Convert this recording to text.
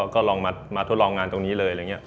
ก็ลองมาทดลองงานตรงนี้เลย